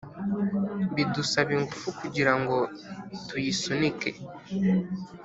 bidusaba ingufu kugirango tuyisunike